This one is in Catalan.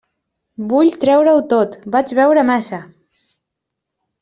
Vull treure-ho tot: vaig beure massa.